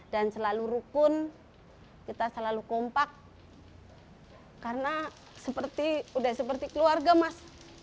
dan selalu rukun kita selalu kompak karena sudah seperti keluarga mas